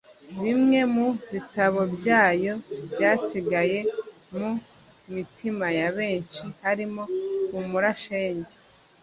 Bimwe mu bitabo byayo byasigaye mu mitima ya benshi harimo Humura shenge